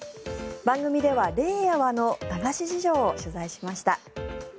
番組では令和の駄菓子事情を取材しました。